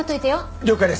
了解です。